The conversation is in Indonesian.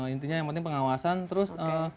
intinya yang penting pengawasan terus